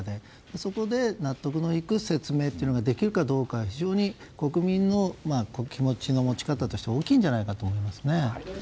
そこで納得のいく説明ができるかどうか非常に国民の気持ちの持ち方として大きいんじゃないかと思いますね。